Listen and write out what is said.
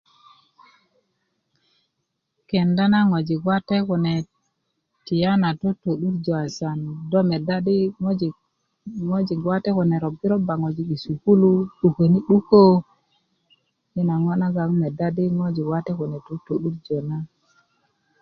kenda na ŋojik wate kune tiyana toto'durjö asan ko do meda ŋojik nawate robi roba ŋojik i sukulu ko 'dok 'dukoni 'duko yina ŋo naŋ medi di wate kune toto'durjö na